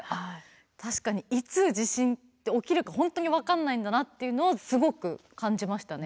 確かにいつ地震って起きるか本当に分かんないんだなっていうのをすごく感じましたね